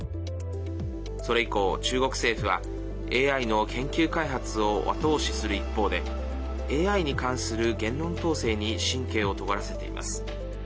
それ以降、中国政府はＡＩの研究開発を後押しする一方でＡＩに関する言論統制に神経をとがらせています。